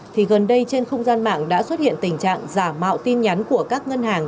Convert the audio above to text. thì gần đây trên không gian mạng đã xuất hiện tình trạng giả mạo tin nhắn của các ngân hàng